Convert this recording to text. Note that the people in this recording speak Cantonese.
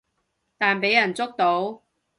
但畀人捉到